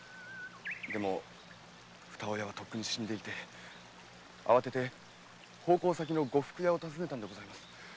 でもふた親はとっくに死んでいてあわてて奉公先の呉服屋を訪ねたのです。